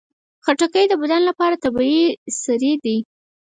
خټکی د بدن لپاره طبیعي سري دي.